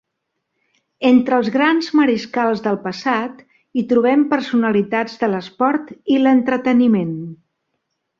Entre els grans mariscals del passat, hi trobem personalitats de l'esport i l'entreteniment.